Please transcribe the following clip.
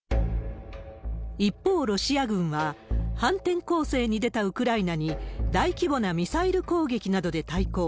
一方、ロシア軍は反転攻勢に出たウクライナに、大規模なミサイル攻撃などで対抗。